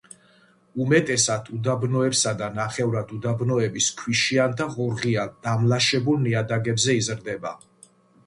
უმეტესად უდაბნოებსა და ნახევრად უდაბნოების ქვიშიან და ღორღიან დამლაშებულ ნიადაგებზე იზრდება.